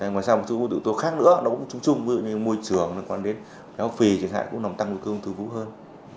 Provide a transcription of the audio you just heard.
ngoài ra một ưu tố khác nữa đó cũng chung chung với môi trường liên quan đến khó khăn phì thì cũng nằm tăng ưu tố của ông thư vú hơn